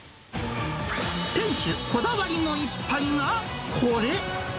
店主こだわりの一杯がこれ。